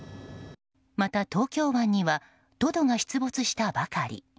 また、東京湾にはトドが出没したばかり。